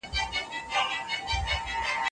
مطالعه کوونکی انسان توند نه وي.